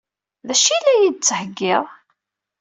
D acu i la yi-d-tettheggiḍ?